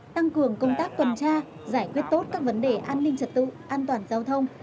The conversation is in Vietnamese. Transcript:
tăng cường công tác tuần tra giải quyết tốt các vấn đề an ninh trật tự an toàn giao thông